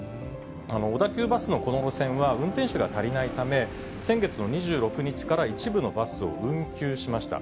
小田急バスのこの路線は運転手が足りないため、先月の２６日から一部のバスを運休しました。